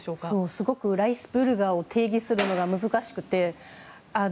すごくライヒスビュルガーを定義するのが難しくて。